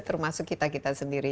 termasuk kita kita sendiri